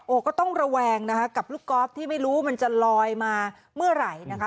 ก็ต้องระแวงนะคะกับลูกกอล์ฟที่ไม่รู้มันจะลอยมาเมื่อไหร่นะคะ